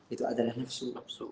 itu adalah nafsu